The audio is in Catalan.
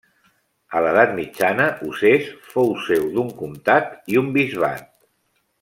A l'edat mitjana Usès fou seu d'un comtat i un bisbat.